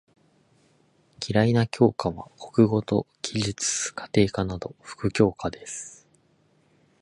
嫌いな教科は国語と技術・家庭科など副教科です。